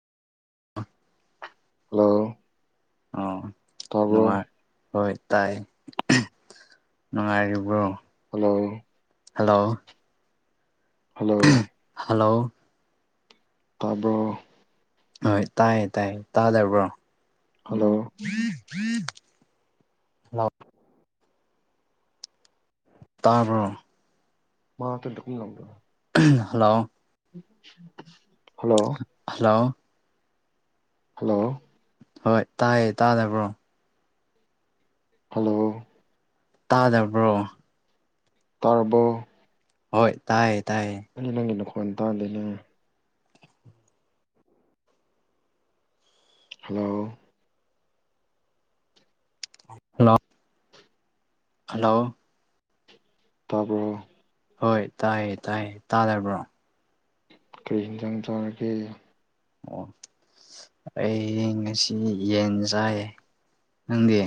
ꯑ ꯍꯜꯂꯣ ꯇꯥꯕ꯭ꯔꯣ ꯑꯣ ꯍꯣꯏ ꯇꯥꯏ ꯅꯨꯡꯉꯥꯏꯔꯤꯕ꯭ꯔꯣ ꯍꯜꯂꯣ ꯍꯜꯂꯣ ꯍꯜꯂꯣ ꯍꯂꯣ ꯇꯥꯕ꯭ꯔꯣ ꯍꯣꯏ ꯇꯥꯏꯌꯦ ꯇꯥꯏꯌꯦ ꯇꯥꯗꯕ꯭ꯔꯣ ꯍꯜꯂꯣ ꯍ ꯇꯔꯣ ꯃꯥ ꯗꯨꯝ ꯂꯪꯗ ꯍꯜꯂꯣ ꯎ ꯍꯜꯂꯣ ꯍꯜꯂꯣ ꯍꯣꯏ ꯇꯥꯏꯌꯦ ꯇꯥꯗꯕ꯭ꯔꯣ ꯍꯜꯂꯣ ꯇꯥꯗꯕ꯭ꯔꯣ ꯇꯔꯔꯕꯣ ꯍꯣꯏ ꯇꯥꯏ ꯅꯪꯒꯤ ꯅꯪꯒꯤ ꯅꯈꯣꯏꯟ ꯇꯗꯦꯅꯦ ꯍꯜꯂꯣ ꯍꯜꯂꯣ ꯍꯜꯂꯣ ꯇꯥꯄ꯭ꯔ ꯍꯣꯏ ꯇꯥꯏꯌꯦ ꯇꯥꯏꯌꯦ ꯇꯥꯔꯕ꯭ꯔꯣ ꯀꯔꯤ ꯌꯦꯟꯁꯥꯡ ꯆꯥꯔꯒꯦ ꯑꯣ ꯑꯩ ꯉꯁꯤ ꯌꯦꯟ ꯆꯥꯏꯌꯦ ꯅꯪꯗꯦ